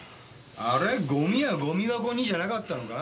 あれゴミはゴミ箱にじゃなかったのか？